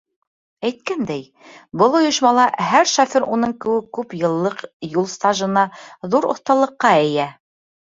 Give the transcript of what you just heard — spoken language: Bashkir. Әйткәндәй, был ойошмала һәр шофер уның кеүек күп йыллыҡ юл стажына, ҙур оҫталыҡҡа эйә.